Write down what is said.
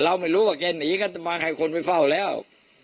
เราไม่รู้ว่าแกหนีกันมาใครคนไปเฝ้าแล้ว